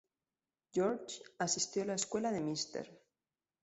George asistió a la escuela de Mr.